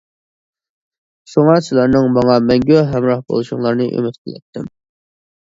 شۇڭا، سىلەرنىڭ ماڭا مەڭگۈ ھەمراھ بولۇشۇڭلارنى ئۈمىد قىلاتتىم.